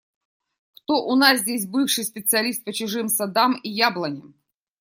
Кто у нас здесь бывший специалист по чужим садам и яблоням?